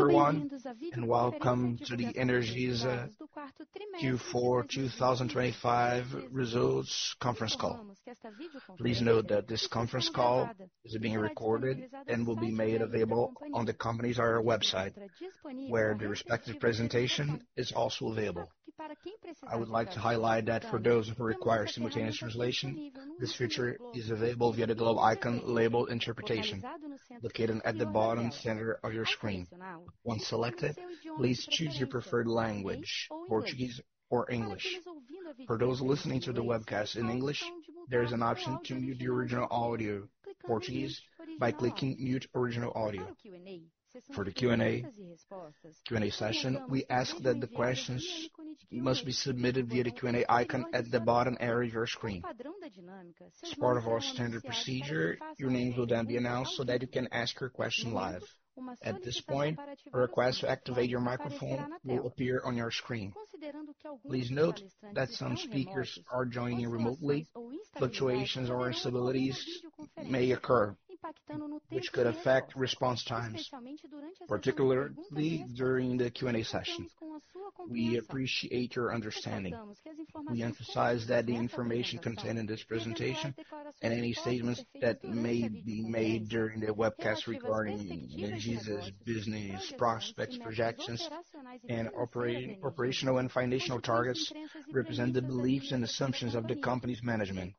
Everyone, and welcome to the Energisa Q4 2025 Results Conference Call. Please note that this conference call is being recorded and will be made available on the company's website, where the respective presentation is also available. I would like to highlight that for those who require simultaneous translation, this feature is available via the globe icon labeled Interpretation, located at the bottom center of your screen. Once selected, please choose your preferred language, Portuguese or English. For those listening to the webcast in English, there is an option to mute the original audio, Portuguese, by clicking Mute Original Audio. For the Q&A session, we ask that the questions must be submitted via the Q&A icon at the bottom area of your screen. As part of our standard procedure, your names will then be announced so that you can ask your question live. At this point, a request to activate your microphone will appear on your screen. Please note that some speakers are joining remotely. Fluctuations or instabilities may occur, which could affect response times, particularly during the Q&A session. We appreciate your understanding. We emphasize that the information contained in this presentation and any statements that may be made during the webcast regarding Energisa's business prospects, projections, and operational and financial targets represent the beliefs and assumptions of the company's management,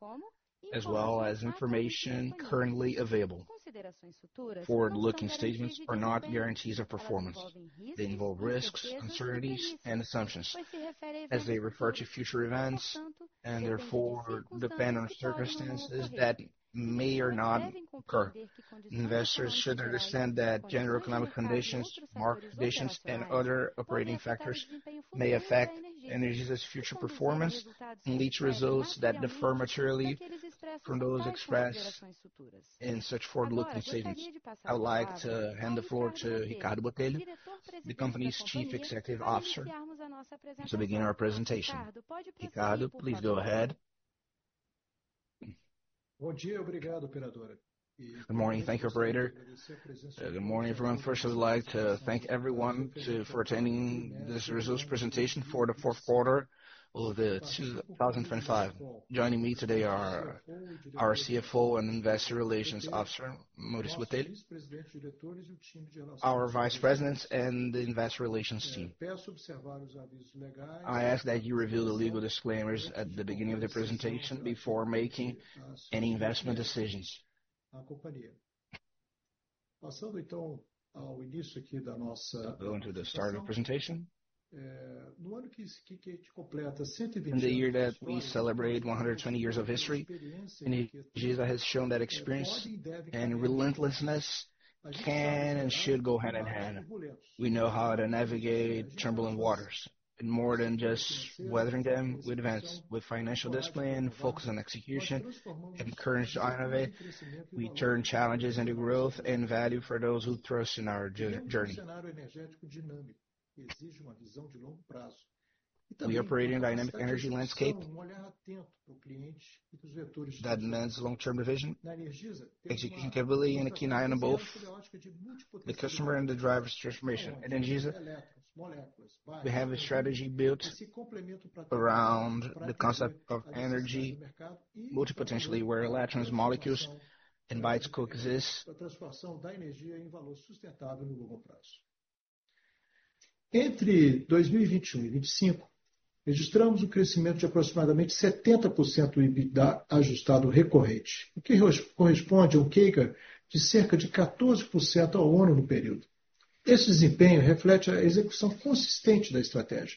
as well as information currently available. Forward-looking statements are not guarantees of performance. They involve risks, uncertainties, and assumptions as they refer to future events, and therefore depend on circumstances that may or not occur. Investors should understand that general economic conditions, market conditions, and other operating factors may affect Energisa's future performance and lead to results that differ materially from those expressed in such forward-looking statements. I would like to hand the floor to Ricardo Botelho, the company's Chief Executive Officer, to begin our presentation. Ricardo, please go ahead. Good morning. Thank you, operator. Good morning, everyone. First, I would like to thank everyone for attending this results presentation for the fourth quarter of 2025. Joining me today are our CFO and investor relations officer, Maurício Botelho, our vice presidents and the investor relations team. I ask that you review the legal disclaimers at the beginning of the presentation before making any investment decisions. Going to the start of the presentation. In the year that we celebrate 120 years of history, Energisa has shown that experience and relentlessness can and should go hand in hand. We know how to navigate turbulent waters, and more than just weathering them, we advance. With financial discipline, focus on execution, and courage to innovate, we turn challenges into growth and value for those who trust in our journey. We operate in a dynamic energy landscape that demands long-term vision, executability, and a keen eye on both the customer and the driver's transformation. Energisa, we have a strategy built around the concept of energy multipotentially where electrons, molecules, and bytes coexist. Between 2021 and 2025, we recorded growth of approximately 70% adjusted recurring EBITDA, which corresponds to a CAGR of around 14% annually during the period. This performance reflects the consistent execution of the strategy,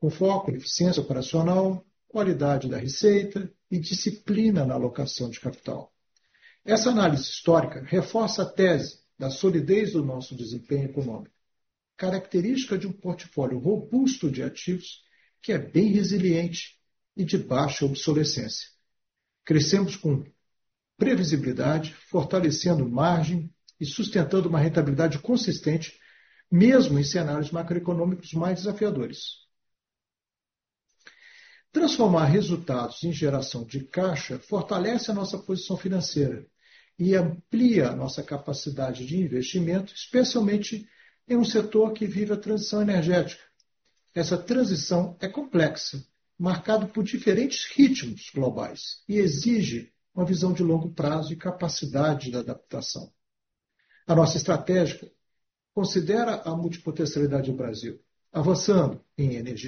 with a focus on operational efficiency, quality of revenue, and capital allocation discipline. This historical analysis reinforces the case for the strength of our economic performance, characteristic of a robust portfolio of assets that is highly resilient and has low obsolescence. We grew with predictability, strengthening margins and sustaining consistent profitability even in more challenging macroeconomic scenarios. Transforming results into cash generation strengthens our financial position and expands our investment capacity, especially in a sector experiencing energy transition. This transition is complex, marked by different global rhythms, and requires a long-term vision and adaptation capacity. Our strategy considers Brazil's multipotentiality, advancing in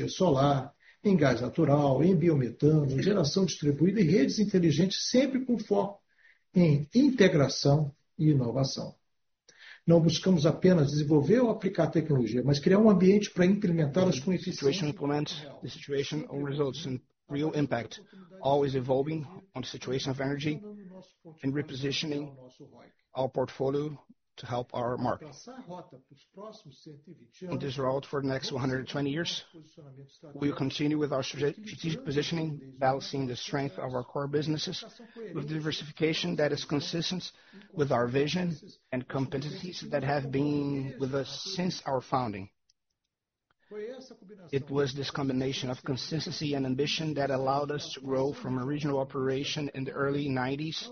solar energy, natural gas, biomethane, distributed generation, and smart grids, always with a focus on integration and innovation. We don't just seek to develop or apply technology, but to create an environment to implement them with efficiency. This situation also results in real impact, always evolving in the situation of energy and repositioning our portfolio to help our market. On this road for the next 120 years, we will continue with our strategic positioning, balancing the strength of our core businesses with diversification that is consistent with our vision and competencies that have been with us since our founding. It was this combination of consistency and ambition that allowed us to grow from a regional operation in the early nineties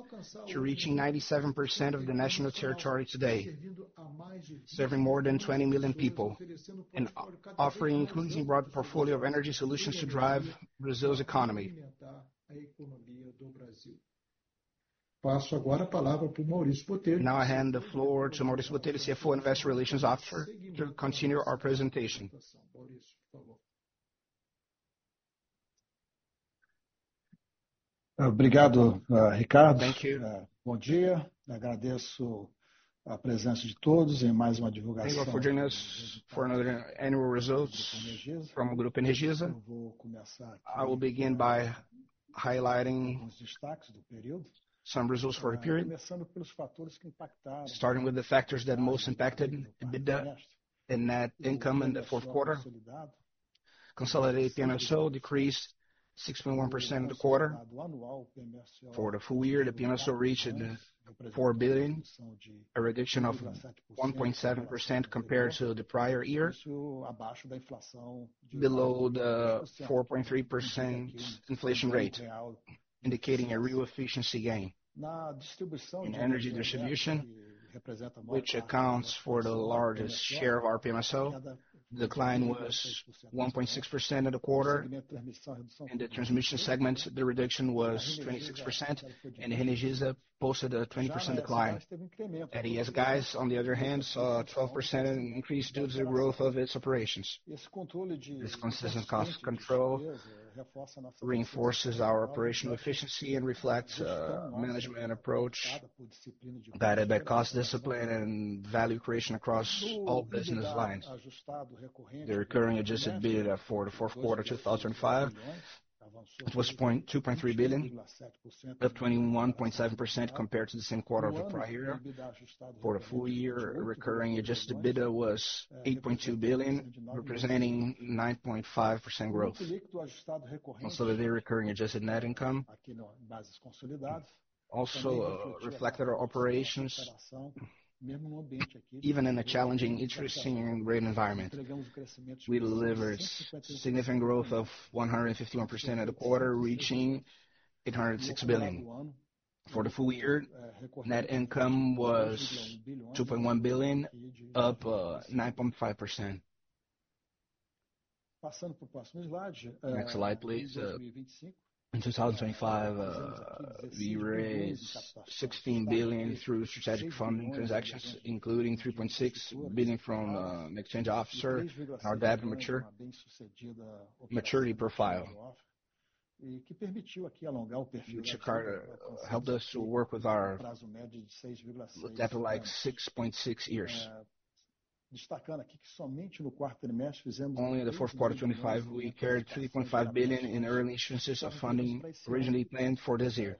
to reaching 97% of the national territory today, serving more than 20 million people and offering an increasingly broad portfolio of energy solutions to drive Brazil's economy. Now I hand the floor to Maurício Botelho, CFO and Investor Relations Director, to continue our presentation. Thank you for joining us for another annual results from Grupo Energisa. I will begin by highlighting some results for a period. Starting with the factors that most impacted EBITDA and net income in the fourth quarter. Consolidated PMSO decreased 6.1% in the quarter. For the full year, the PMSO reached 4 billion, a reduction of 1.7% compared to the prior year, below the 4.3% inflation rate, indicating a real efficiency gain. In energy distribution, which accounts for the largest share of our PMSO, decline was 1.6% in the quarter. In the transmission segment, the reduction was 26%, and Energisa posted a 20% decline. ES Gás, on the other hand, saw a 12% increase due to the growth of its operations. This consistent cost control reinforces our operational efficiency and reflects management approach guided by cost discipline and value creation across all business lines. The recurring adjusted EBITDA for the fourth quarter 2005 was 2.3 billion, up 21.7% compared to the same quarter of the prior year. For the full year, recurring adjusted EBITDA was 8.2 billion, representing 9.5% growth. Consolidated recurring adjusted net income also reflected our operations even in a challenging interest rate environment. We delivered significant growth of 151% in the quarter, reaching 806 billion. For the full year, net income was 2.1 billion, up 9.5%. Next slide, please. In 2025, we raised 16 billion through strategic funding transactions, including 3.6 billion from an exchange offer in our debt maturity profile, which in turn helped us extend the average maturity of our debt to 6.6 years. Only in the fourth quarter of 2025, we raised 3.5 billion in early issuances of funding originally planned for this year,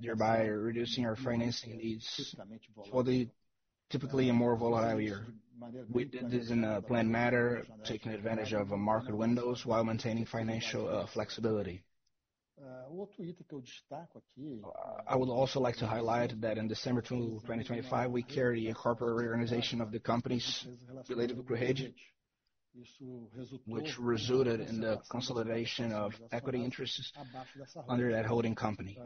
thereby reducing our financing needs for the typically more volatile year. We did this in a planned manner, taking advantage of market windows while maintaining financial flexibility. I would also like to highlight that in December 2025, we carried a corporate reorganization of the companies related to Grupo Energisa, which resulted in the consolidation of equity interests under that holding company.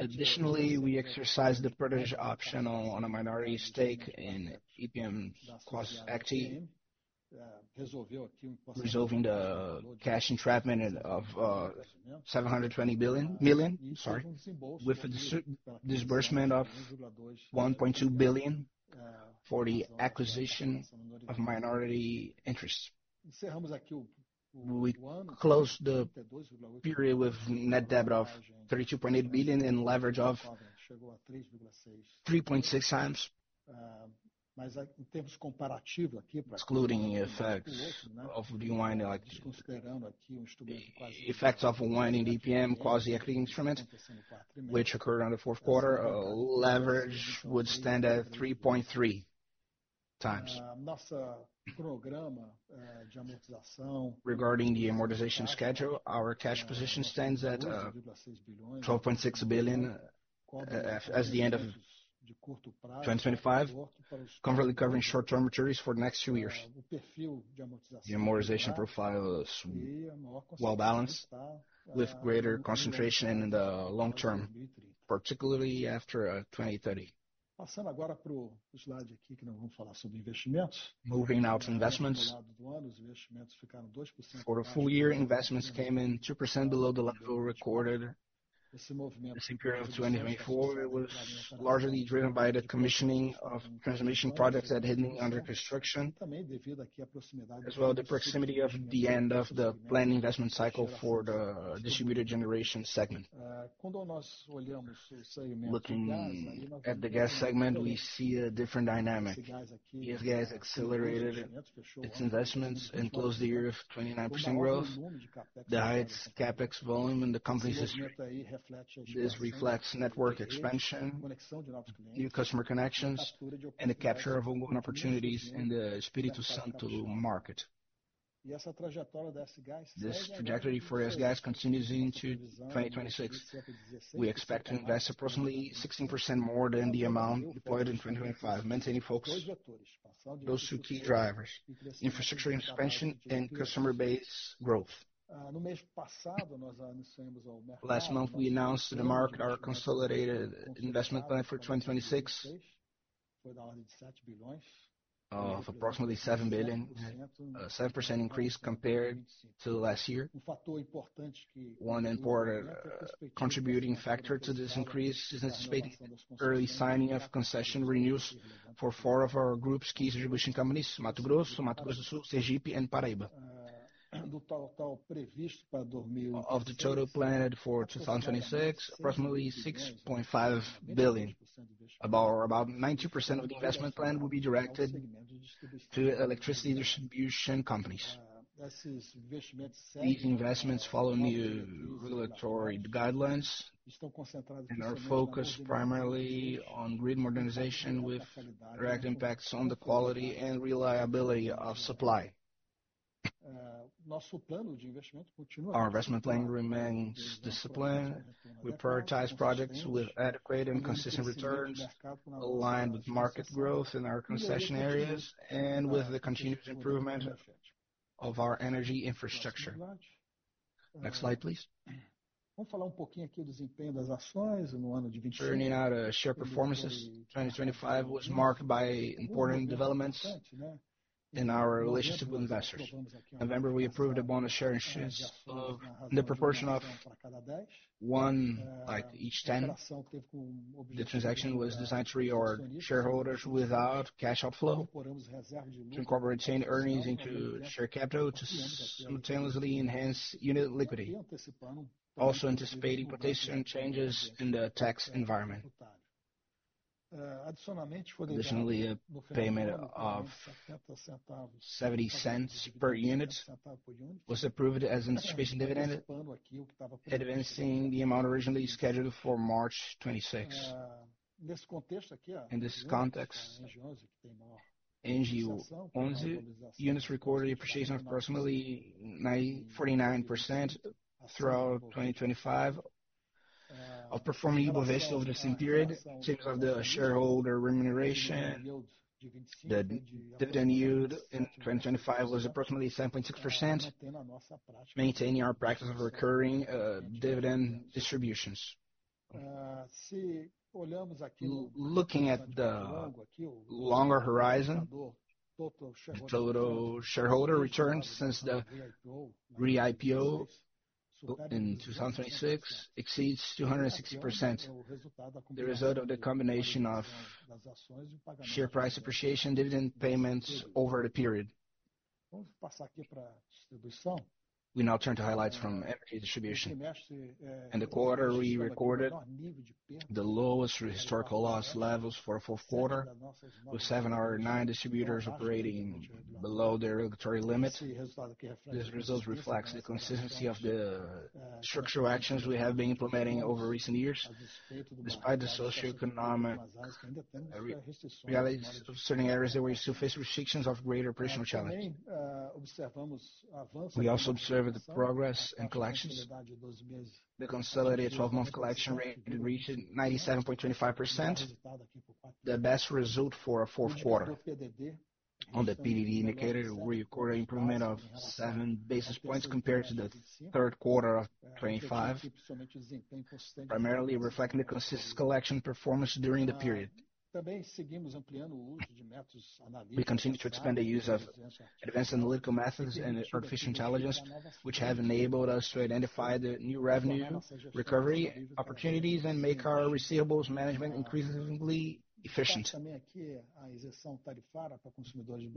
Additionally, we exercised the purchase option on a minority stake in EPM quasi-equity, resolving the cash entrapment of 720 million, sorry, with the disbursement of 1.2 billion for the acquisition of minority interests. We closed the period with net debt of 32.8 billion and leverage of 3.6x. Excluding the effects of the unwinding EPM quasi-equity instrument, which occurred on the fourth quarter, leverage would stand at 3.3x. Regarding the amortization schedule, our cash position stands at 12.6 billion as of the end of 2025, comfortably covering short-term maturities for the next few years. The amortization profile is well balanced with greater concentration in the long term, particularly after 2030. Moving now to investments. For the full year, investments came in 2% below the level recorded in the same period of 2024. It was largely driven by the commissioning of transmission projects that had been under construction, as well as the proximity of the end of the planned investment cycle for the distributed generation segment. Looking at the gas segment, we see a different dynamic. In gas accelerated its investments and closed the year with 29% growth, the highest CapEx volume in the company's history. This reflects network expansion, new customer connections, and the capture of wind opportunities in the Espírito Santo market. This trajectory for ES Gás continues into 2026. We expect to invest approximately 16% more than the amount deployed in 2025, maintaining focus on those two key drivers, infrastructure expansion and customer base growth. Last month, we announced to the market our consolidated investment plan for 2026 of approximately 7 billion, 7% increase compared to last year. One important contributing factor to this increase is anticipating early signing of concession renewals for four of our group's key distribution companies, Mato Grosso, Mato Grosso do Sul, Sergipe and Paraíba. Of the total planned for 2026, approximately 6.5 billion, about 90% of the investment plan will be directed to electricity distribution companies. These investments follow new regulatory guidelines and are focused primarily on grid modernization with direct impacts on the quality and reliability of supply. Our investment plan remains disciplined. We prioritize projects with adequate and consistent returns, aligned with market growth in our concession areas and with the continued improvement of our energy infrastructure. Next slide, please. Turning now to share performance. 2025 was marked by important developments in our relationship with investors. November, we approved a bonus share issuance of the proportion of one for each 10. The transaction was designed to reward shareholders without cash outflow, to incorporate retained earnings into share capital to simultaneously enhance unit liquidity. Also anticipating potential changes in the tax environment. Additionally, a payment of 0.70 per unit was approved as an anticipation dividend, advancing the amount originally scheduled for March 2026. In this context, ENGI11 units recorded appreciation of approximately 9.49% throughout 2025, outperforming Ibovespa over the same period due to the shareholder remuneration. The dividend yield in 2025 was approximately 7.6%, maintaining our practice of recurring dividend distributions. Looking at the longer horizon, the total shareholder returns since the re-IPO in 2026 exceeds 260%. The result of the combination of share price appreciation, dividend payments over the period. We now turn to highlights from energy distribution. In the quarter, we recorded the lowest historical loss levels for a full quarter, with seven out of nine distributors operating below their regulatory limits. This result reflects the consistency of the structural actions we have been implementing over recent years. Despite the socioeconomic realities of certain areas, there were no restrictions of greater operational challenge. We also observed the progress in collections. The consolidated 12-month collection rate reached 97.25%, the best result for a fourth quarter. On the PDD indicator, we recorded improvement of seven basis points compared to the third quarter of 2025, primarily reflecting the consistent collection performance during the period. We continue to expand the use of advanced analytical methods and artificial intelligence, which have enabled us to identify the new revenue recovery opportunities and make our receivables management increasingly efficient.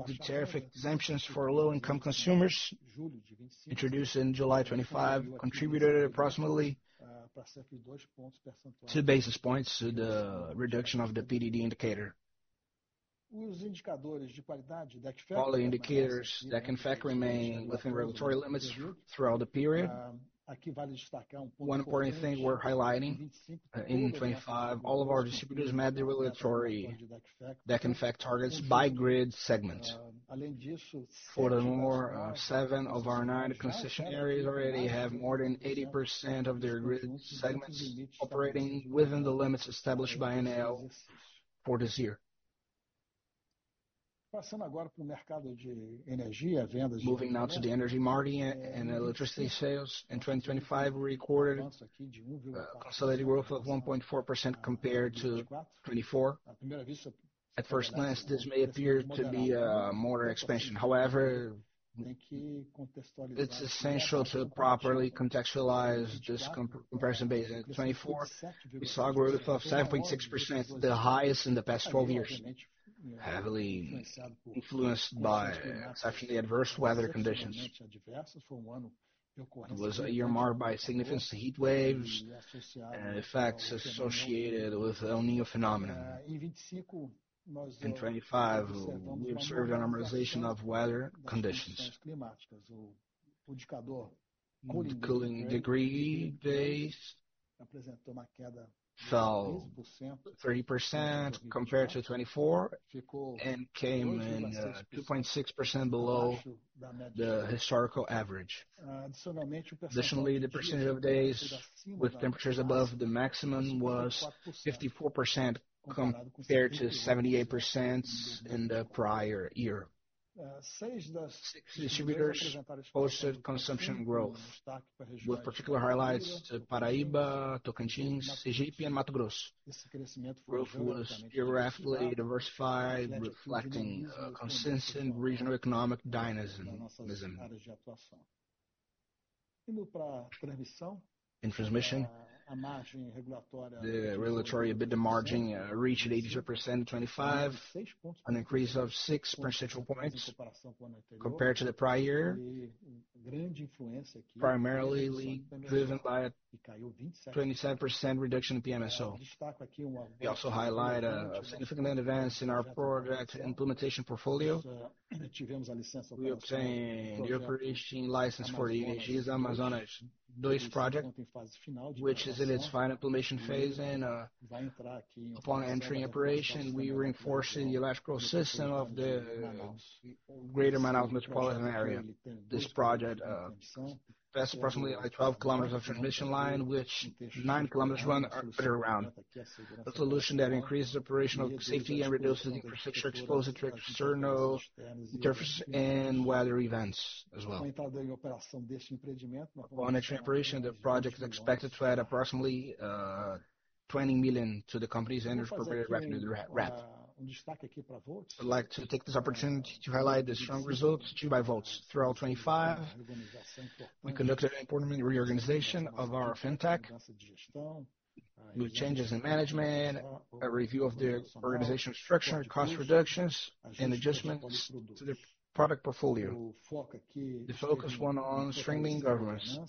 The tariff exemptions for low-income consumers introduced in July 2025 contributed approximately 2-basis points to the reduction of the PDD indicator. All indicators that in fact remain within regulatory limits throughout the period. One important thing we're highlighting, in 2025, all of our distributors met the regulatory that in fact targets by grid segment. Furthermore, seven of our nine concession areas already have more than 80% of their grid segments operating within the limits established by ANEEL for this year. Moving now to the energy market and electricity sales. In 2025, we recorded a consolidated growth of 1.4% compared to 2024. At first glance, this may appear to be a moderate expansion. However, it's essential to properly contextualize this comparison base. In 2024, we saw a growth of 7.6%, the highest in the past 12-years, heavily influenced by exceptionally adverse weather conditions. It was a year marked by significant heat waves and effects associated with El Niño phenomenon. In 2025, we observed a normalization of weather conditions. The cooling degree days fell 30% compared to 2024 and came in 2.6% below the historical average. Additionally, the percentage of days with temperatures above the maximum was 54% compared to 78% in the prior year. Six distributors posted consumption growth, with particular highlights to Paraíba, Tocantins, Egypt, and Mato Grosso. Growth was geographically diversified, reflecting consistent regional economic dynamism. In transmission, the regulatory EBITDA margin reached 83% in 2025, an increase of six percentage points compared to the prior year, primarily driven by a 27% reduction in PMSO. We also highlight significant events in our project implementation portfolio. We obtained the operating license for the Energisa Amazonas Dois project, which is in its final implementation phase. Upon entering operation, we're reinforcing the electrical system of the greater Manaus metropolitan area. This project passes approximately, like, 12 km of transmission line, which nine kilometers run underground. A solution that increases operational safety and reduces infrastructure exposure to external interference and weather events as well. Upon entering operation, the project is expected to add approximately 20 million to the company's earnings before interest, taxes, depreciation, and amortization. I'd like to take this opportunity to highlight the strong results achieved by Voltz. Throughout 2025, we conducted an important reorganization of our fintech, with changes in management, a review of the organizational structure and cost reductions, and adjustments to the product portfolio. The focus went on streamlining governance,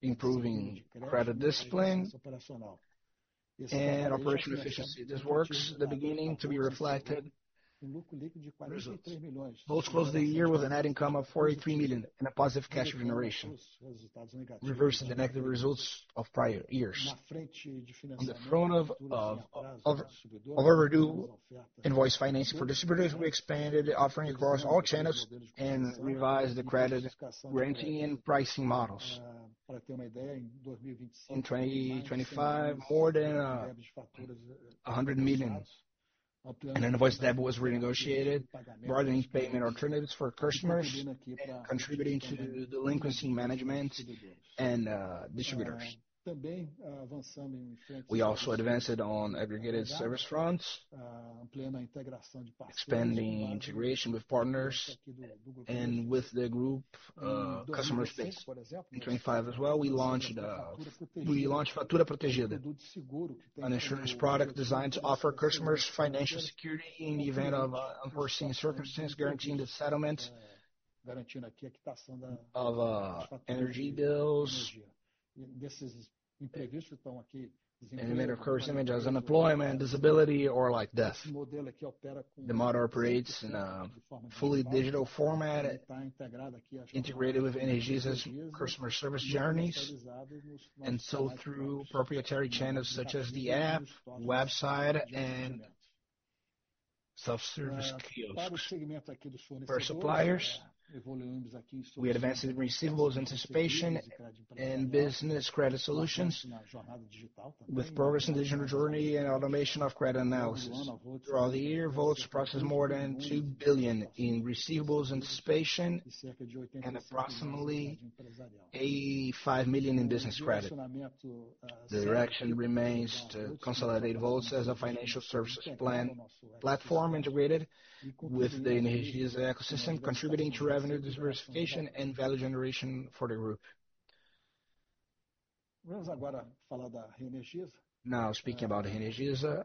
improving credit discipline, and operational efficiency. This work is beginning to be reflected in results. Voltz closed the year with a net income of 43 million and a positive cash generation, reversing the negative results of prior years. On the front of overdue invoice financing for distributors, we expanded the offering across all channels and revised the credit granting and pricing models. In 2025, more than 100 million in invoice debt was renegotiated, broadening payment alternatives for customers and contributing to the delinquency management and distributors. We also advanced on aggregated service fronts, expanding integration with partners and with the group customer base. In 2025 as well, we launched Fatura Protegida, an insurance product designed to offer customers financial security in the event of unforeseen circumstances, guaranteeing the settlement of energy bills. The main occurrences such as unemployment, disability or, like, death. The model operates in a fully digital format, integrated with Energisa's customer service journeys, and sold through proprietary channels such as the app, website, and self-service kiosks. For suppliers, we advanced in receivables anticipation and business credit solutions with progress in digital journey and automation of credit analysis. Throughout the year, Voltz processed more than 2 billion in receivables anticipation and approximately 85 million in business credit. The direction remains to consolidate Voltz as a financial services platform integrated with the Energisa ecosystem, contributing to revenue diversification and value generation for the group. Now speaking about Energisa,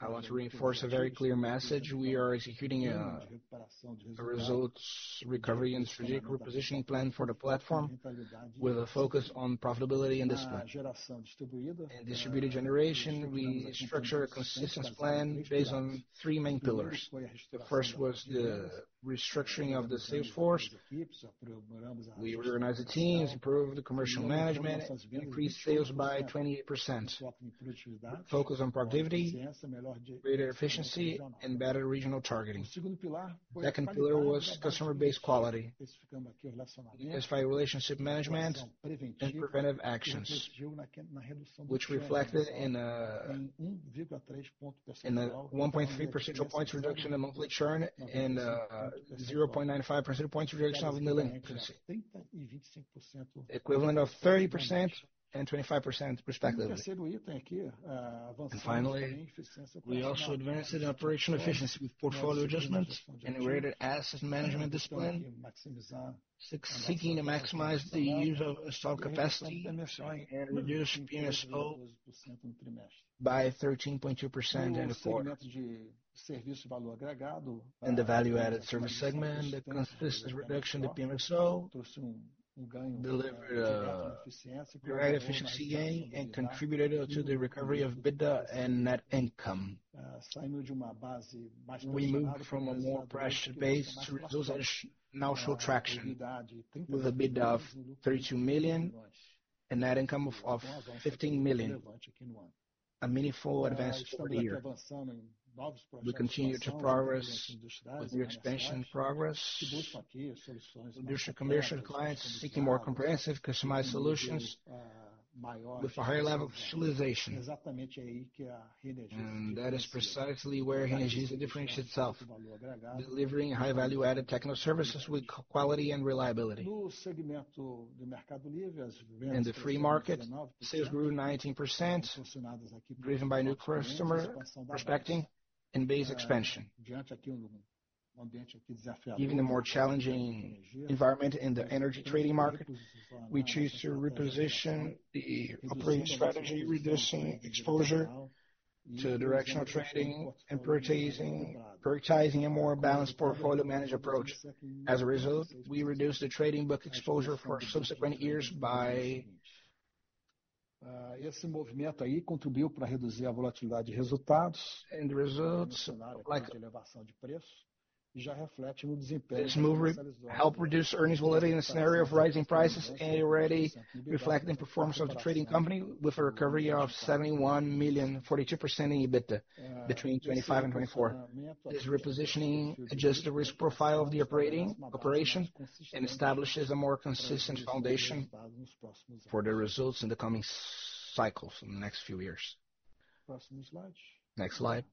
I want to reinforce a very clear message. We are executing a results recovery and strategic repositioning plan for the platform with a focus on profitability and discipline. In distributed generation, we structured a consistent plan based on three main pillars. The first was the restructuring of the sales force. We reorganized the teams, improved the commercial management, increased sales by 28%. We focused on productivity, greater efficiency, and better regional targeting. The second pillar was customer base quality, specific relationship management and preventive actions, which reflected in a 1.3 percentage points reduction in monthly churn and 0.95 percentage points reduction of delinquency. Equivalent of 30% and 25% respectively. Finally, we also advanced in operational efficiency with portfolio adjustments and integrated asset management discipline, seeking to maximize the use of installed capacity and reduce PMSO by 13.2% in the quarter. In the value-added service segment, the consistent reduction in the PMSO delivered great efficiency gain and contributed to the recovery of EBITDA and net income. We moved from a more pressured base to results that now show traction with an EBITDA of 32 million, a net income of 15 million, a meaningful advance for the year. We continue to progress with the expansion. Industrial commercial clients seeking more comprehensive customized solutions with a higher level of specialization. That is precisely where Energisa differentiates itself, delivering high value-added technical services with quality and reliability. In the free market, sales grew 19%, driven by new customer prospecting and base expansion. Given the more challenging environment in the energy trading market, we chose to reposition the operating strategy, reducing exposure to directional trading and prioritizing a more balanced portfolio management approach. As a result, we reduced the trading book exposure for subsequent years by. The results, like, this move helped reduce earnings volatility in a scenario of rising prices and already reflecting performance of the trading company with a recovery of 71 million, 42% in EBITDA between 2025 and 2024. This repositioning adjusts the risk profile of the operation and establishes a more consistent foundation for the results in the coming business cycles in the next few years. Next slide.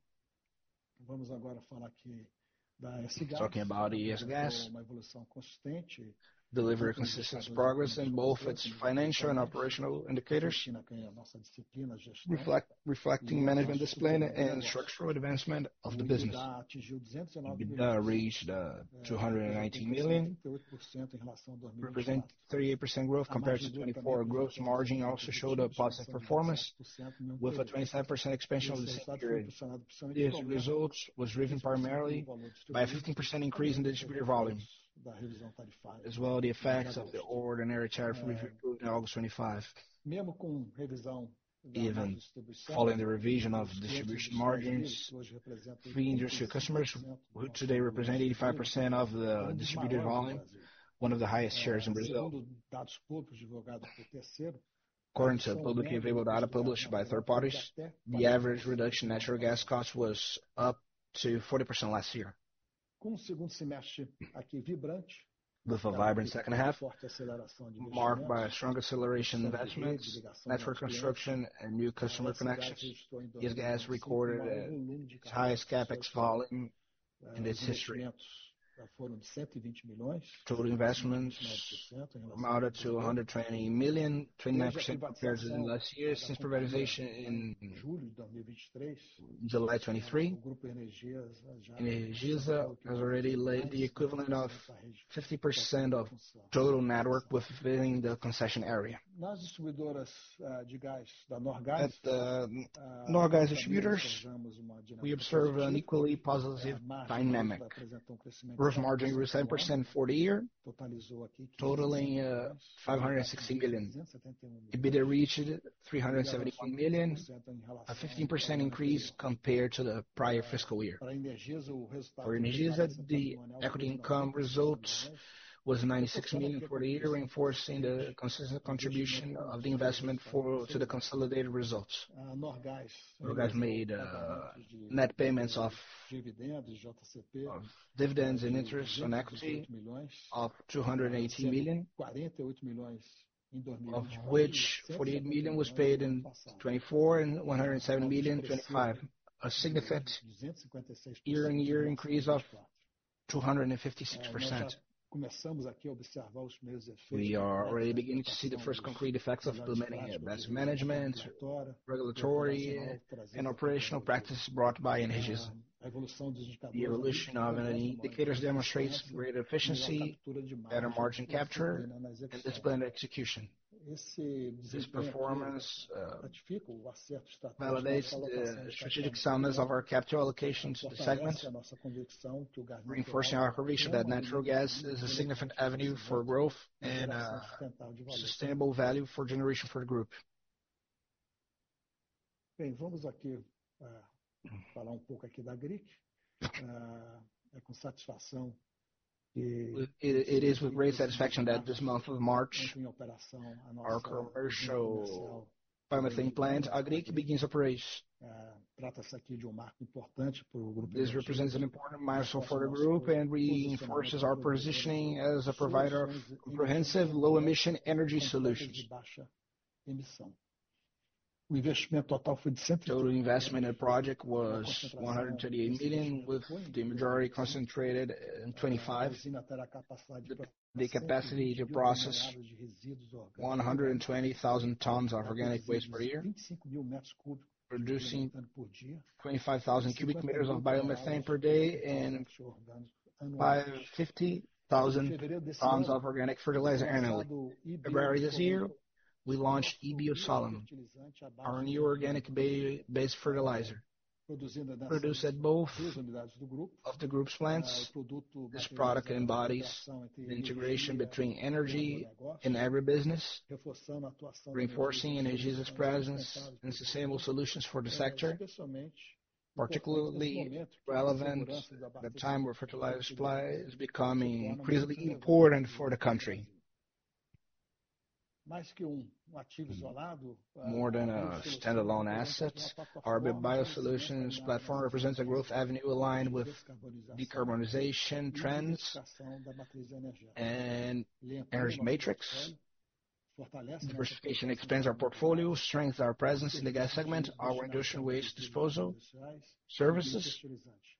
Talking about ES Gás. Delivered consistent progress in both its financial and operational indicators. Reflecting management discipline and structural advancement of the business. EBITDA reached 219 million, representing 38% growth compared to 2024. Gross margin also showed a positive performance with a 27% expansion over the same period. These results was driven primarily by a 15% increase in distributed volume, as well as the effects of the ordinary tariff review approved in August 2025. Even following the revision of distribution margins, three industrial customers who today represent 85% of the distributed volume, one of the highest shares in Brazil. According to publicly available data published by third-parties, the average reduction in natural gas costs was up to 40% last year. With a vibrant second half marked by a strong acceleration in investments, network construction, and new customer connections, ES Gás recorded the highest CapEx volume in its history. Total investments amounted to 120 million, 29% compared to last year. Since privatization in July 2023, Energisa has already laid the equivalent of 50% of total network within the concession area. At the Norgás distributors, we observe an equally positive dynamic. Gross margin was 7% for the year, totaling 560 million. EBITDA reached 371 million, a 15% increase compared to the prior fiscal year. For Energisa, the equity income results was 96 million for the year, reinforcing the consistent contribution of the investment to the consolidated results. Norgás made net payments of dividends and interest on equity of 218 million, of which 48 million was paid in 2024 and 107 million in 2025, a significant year-on-year increase of 256%. We are already beginning to see the first concrete effects of implementing best management, regulatory, and operational practices brought by Energisa. The evolution of energy indicators demonstrates greater efficiency, better margin capture, and disciplined execution. This performance validates the strategic soundness of our capital allocation to the segment, reinforcing our conviction that natural gas is a significant avenue for growth and sustainable value for generation for the group. It is with great satisfaction that this month of March, our commercial biomethane plant, Agrig, begins operation. This represents an important milestone for the group, and reinforces our positioning as a provider of comprehensive low emission energy solutions. Total investment in the project was 138 million, with the majority concentrated in 2025. The capacity to process 120,000 tons of organic waste per year, producing 25,000 cubic meters of biomethane per day and 50,000 tons of organic fertilizer annually. February this year, we launched E-bio Solum, our new organic based fertilizer. Produced at both of the group's plants, this product embodies the integration between energy and agri business, reinforcing Energisa's presence in sustainable solutions for the sector. Particularly relevant at the time where fertilizer supply is becoming increasingly important for the country. More than a standalone asset, our bio solutions platform represents a growth avenue aligned with decarbonization trends and energy matrix. Diversification expands our portfolio, strengthens our presence in the gas segment, our industrial waste disposal services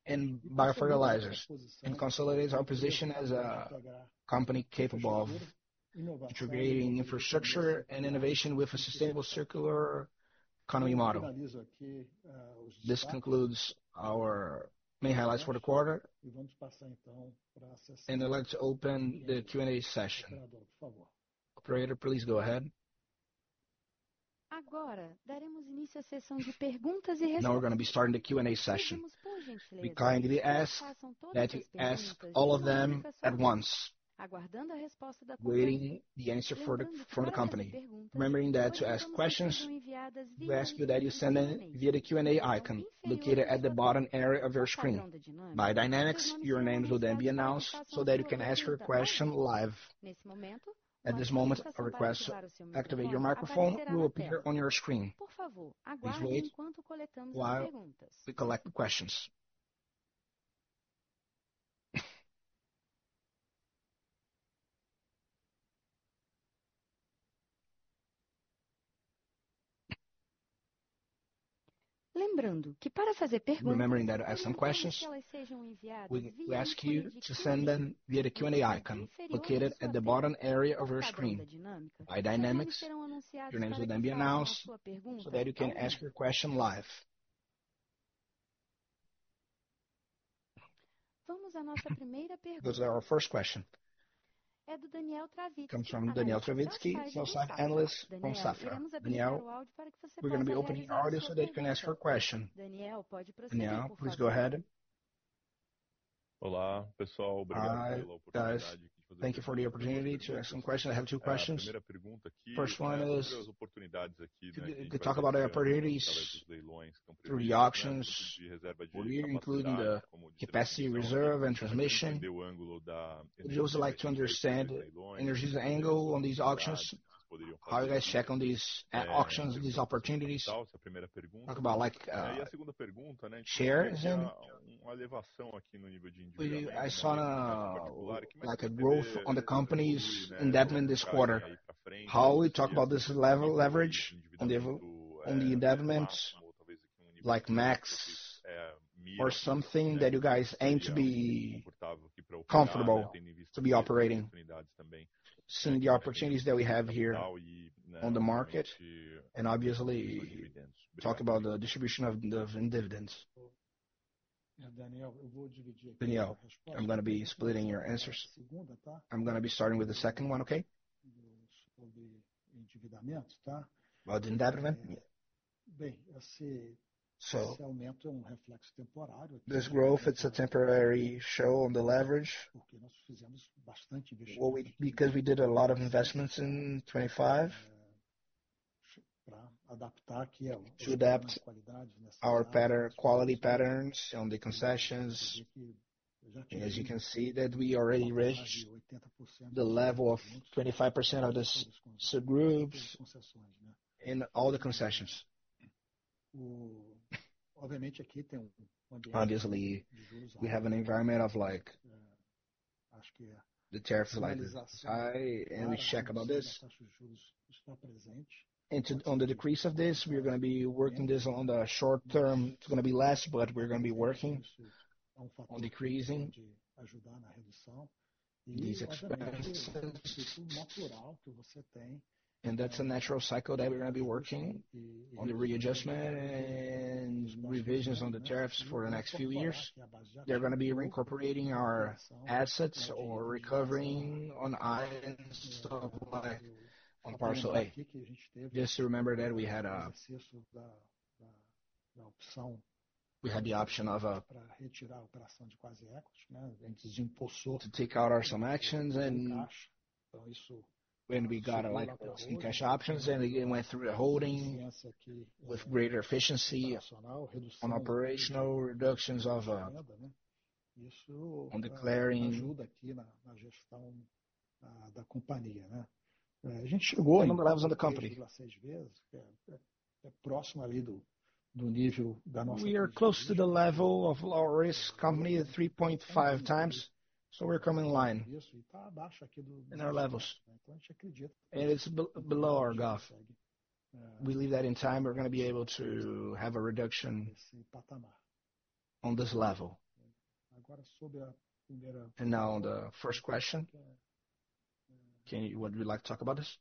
and biofertilizers, and consolidates our position as a company capable of integrating infrastructure and innovation with a sustainable circular economy model. This concludes our main highlights for the quarter. Let's open the Q&A session. Operator, please go ahead. Now we're gonna be starting the Q&A session. We kindly ask that you ask all of them at once, waiting for the answer from the company. Remembering that to ask questions, we ask you that you send them via the Q&A icon located at the bottom area of your screen. By dynamics, your names will then be announced so that you can ask your question live. At this moment, a request to activate your microphone will appear on your screen. Please wait while we collect the questions. Remembering that to ask some questions, we ask you to send them via the Q&A icon located at the bottom area of your screen. By dynamics, your names will then be announced so that you can ask your question live. Let's go to our first question. Comes from Daniel Travitsky, Analyst from Safra. Daniel, we're gonna be opening the audio so that you can ask your question. Daniel, please go ahead. Hi guys. Thank you for the opportunity to ask some questions. I have two questions. First one is to talk about the opportunities through the auctions for year, including the capacity reserve and transmission. I'd also like to understand Energisa's angle on these auctions. How you guys bid on these auctions, these opportunities. Talk about like, shares and I saw, like a growth on the company's net debt this quarter. How you talk about this level leverage on the net debt, like max or something that you guys aim to be comfortable to be operating, seeing the opportunities that we have here on the market, and obviously talk about the distribution of the dividends. Daniel, I'm gonna be splitting your answers. I'm gonna be starting with the second one, okay? About the endowment. Yeah. This growth, it's a temporary show on the leverage. Because we did a lot of investments in 2025 to adapt our pattern, quality patterns on the concessions. As you can see that we already reached the level of 25% of the subgroups in all the concessions. Obviously, we have an environment of like the tariff is like high, and we check about this. On the decrease of this, we're gonna be working this on the short term. It's gonna be less, but we're gonna be working on decreasing these expenses. That's a natural cycle that we're gonna be working on the readjustment and revisions on the tariffs for the next few years. They're gonna be reincorporating our assets or recovering on items of like on Parcela A. Just to remember that we had the option of to take out our some actions and when we got like some cash options, and we went through a holding with greater efficiency on operational reductions of on deleveraging number of levels on the company. We are close to the level of low-risk company at 3.5x, so we're coming in line in our levels. It's below our goal. We believe that in time, we're gonna be able to have a reduction on this level. Now on the first question. Would you like to talk about this?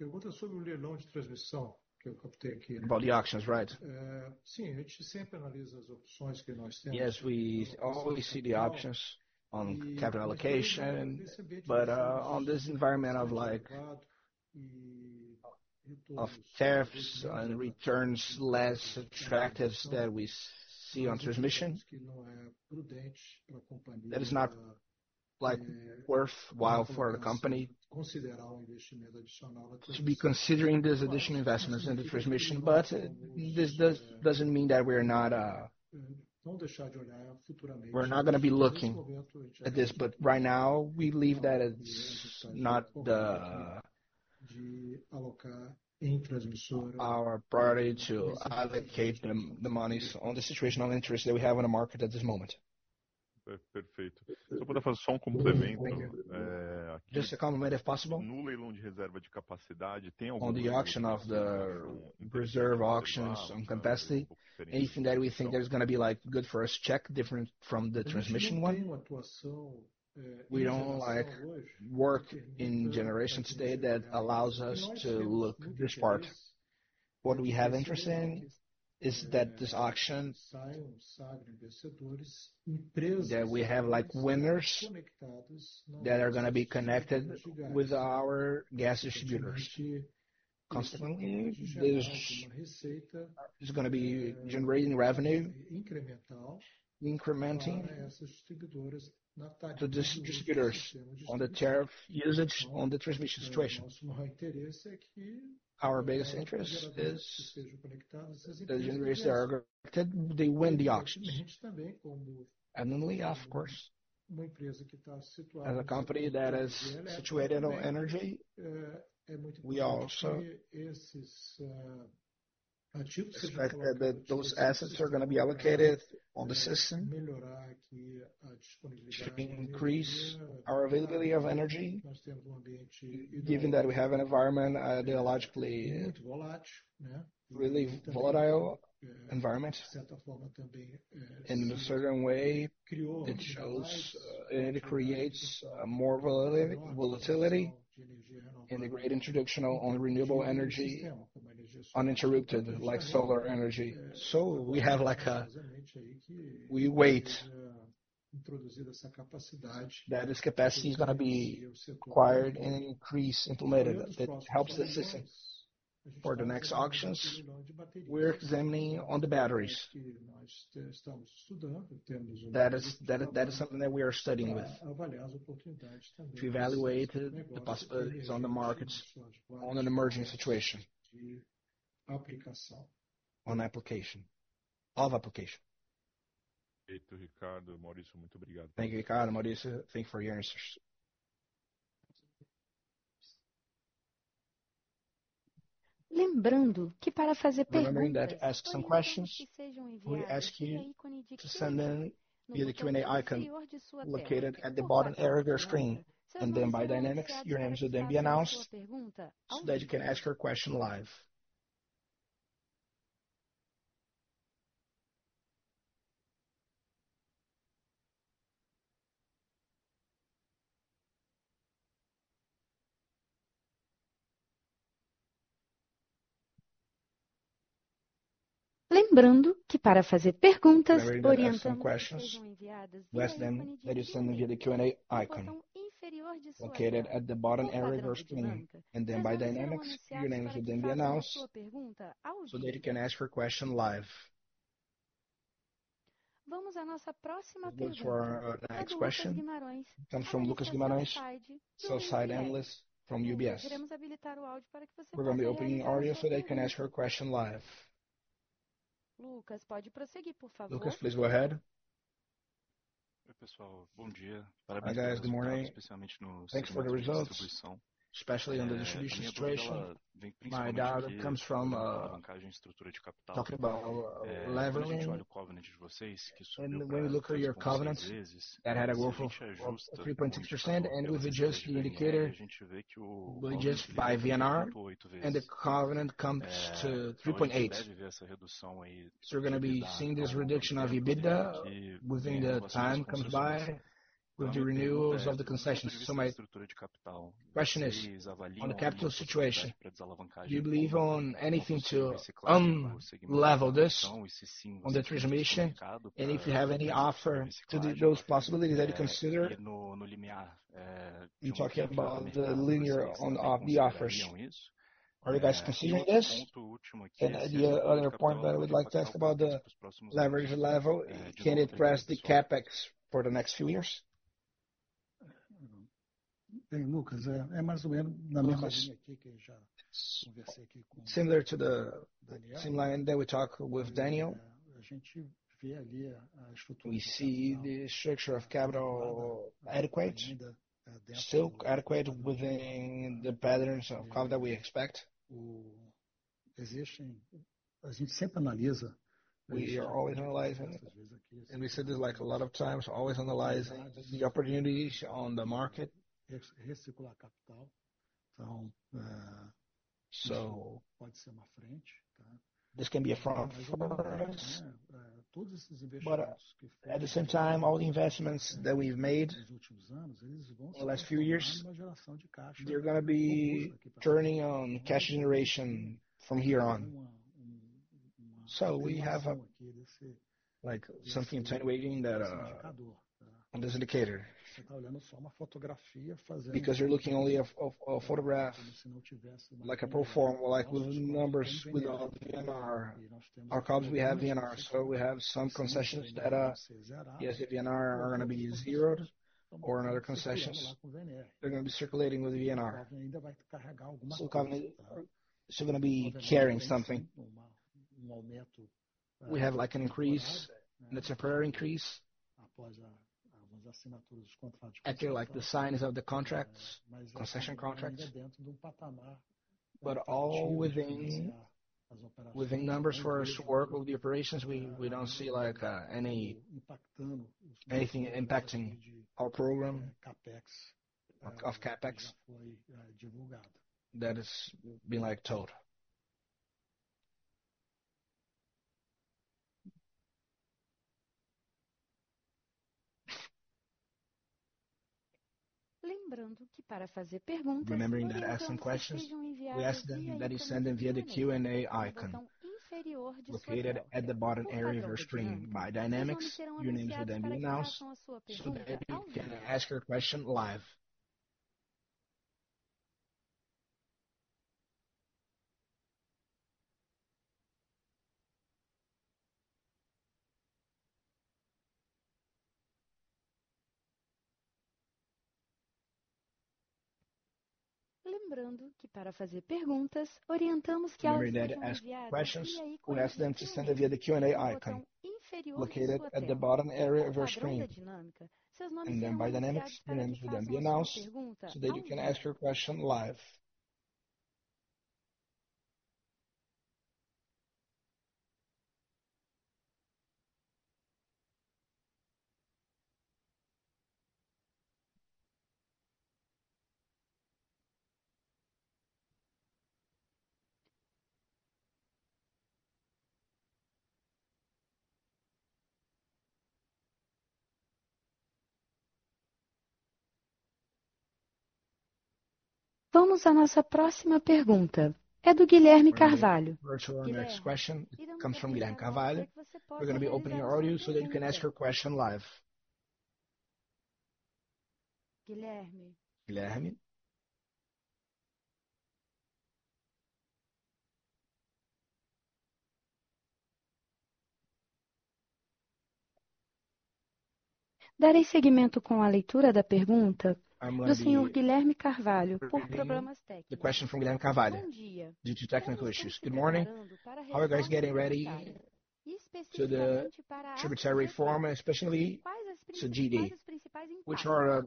About the auctions, right. Yes, we always see the options on capital allocation. In this environment of, like, tariffs and returns less attractive that we see in transmission. That is not, like, worthwhile for a company to be considering these additional investments in the transmission. This doesn't mean that we're not gonna be looking at this. Right now, we believe that it's not our priority to allocate the monies to the situational interest that we have in the market at this moment. Perfecto. Thank you. Just a comment if possible. On the auction of the reserve auctions on capacity, anything that we think that is gonna be, like, good for us, as different from the transmission one. We don't work in generation today that allows us to look at this part. What we have interest in is that this auction, that we have, like, winners that are gonna be connected with our gas distributors. Consequently, this is gonna be generating revenue, incrementing the distributors on the tariff using the transmission system. Our biggest interest is the generators that are connected, they win the auction. We, of course, as a company that is situated in energy, also expect that those assets are gonna be allocated on the system to increase our availability of energy. Given that we have an increasingly really volatile environment, in a certain way, it shows it creates more volatility integrated traditional and renewable energy, uninterrupted, like solar energy. We want that this capacity is gonna be acquired and increased, implemented. That helps the system. For the next auctions, we're examining on the batteries. That is something that we are studying with. To evaluate the possibilities on the markets on an emerging situation. On application. Of application. Thank you, Ricardo, Maurício. Thank you for your answers. Remembering that to ask some questions, we ask you to send in via the Q&A icon located at the bottom area of your screen. By dynamics, your names will then be announced so that you can ask your question live. Remember that to ask some questions, we ask that you send via the Q&A icon located at the bottom area of your screen. By dynamics, your names will then be announced so that you can ask your question live. We'll go to our next question. It comes from Lucas Guimarães, sell-side analyst from UBS. We're gonna be opening audio so that you can ask your question live. Lucas, please go ahead. Hi, guys. Good morning. Thanks for the results, especially on the distribution situation. My data comes from talking about our leverage. When we look at your covenants that had a growth of 3.6%, and with adjusted indicator readjusted by VNR, and the covenant comes to 3.8. We're gonna be seeing this reduction of EBITDA within the time comes by with the renewals of the concessions. My question is, on the capital situation, do you believe in anything to unlever this on the transmission? If you have any offer to those possibilities that you consider in talking about the lien on the offers. Are you guys considering this? The other point that I would like to ask about the leverage level, can it press the CapEx for the next few years? Similar to the same line that we talked with Daniel. We see the structure of capital adequate, still adequate within the patterns of covenant that we expect. We are always analyzing, and we said this, like, a lot of times, always analyzing the opportunities on the market. This can be a front for us. At the same time, all the investments that we've made in the last few years, they're gonna be turning on cash generation from here on. We have like something attenuating that on this indicator. Because you're looking only at a snapshot, like a pro forma, like with numbers without VNR. Our comps, we have VNR. We have some concessions that, yes, the VNR are gonna be zeroed or in other concessions, they're gonna be circulating with the VNR. We're gonna be carrying something. We have like an increase, that's a price increase. After, like, the signings of the contracts, concession contracts. But all within numbers for us to work with the operations, we don't see like anything impacting our program of CapEx. That is being like told. Remembering that asking questions, we ask them that you send them via the Q&A icon located at the bottom area of your screen. By dynamics, your names will then be announced so that you can ask your question live. Remember that to ask questions, we ask them to send them via the Q&A icon located at the bottom area of your screen. By dynamics, your names will then be announced so that you can ask your question live. We're going to our next question. It comes from Guilherme Carvalho. We're gonna be opening your audio so that you can ask your question live. Guilherme. I'm gonna be repeating the question from Guilherme Carvalho due to technical issues. Good morning. How are you guys getting ready to the tax reform, especially to GD? Which are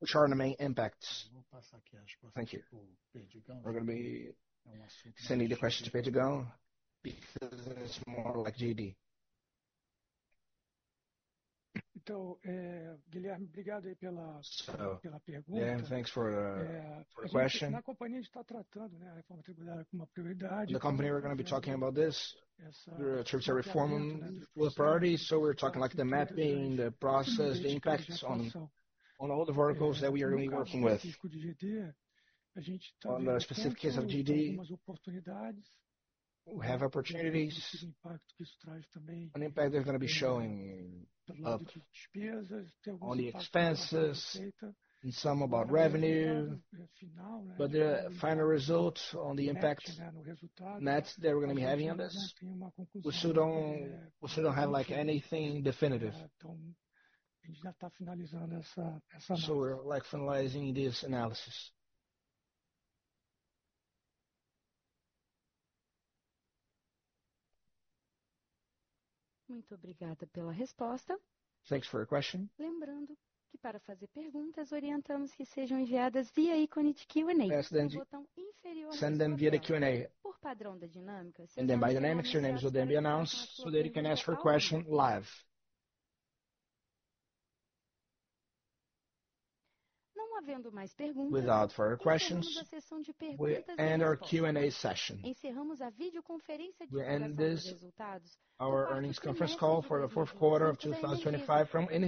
the main impacts? Thank you. We're gonna be sending the question to Pedro Gonçalves, because it's more like GD. Yeah, thanks for the question. In the company, we're gonna be talking about this, the tax reform with priority. We're talking like the mapping, the process, the impacts on all the verticals that we are really working with. On the specific case of GD, we have opportunities. An impact is gonna be showing up on the expenses and somewhat on revenue. But the final results on the net impacts that we're gonna be having on this, we still don't have like anything definitive. We're, like, finalizing this analysis. Thanks for your question. Ask them to send them via the Q&A. By dynamics, your names will then be announced so that you can ask your question live. Without further questions, we end our Q&A session. We end this, our earnings conference call for the fourth quarter of 2025 from Energisa.